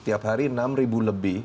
tiap hari enam ribu lebih